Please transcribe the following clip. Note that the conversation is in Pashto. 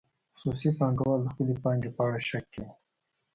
خصوصي پانګوال د خپلې پانګې په اړه شک کې وو.